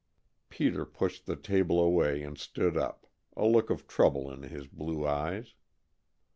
Peter pushed the table away and stood up, a look of trouble in his blue eyes.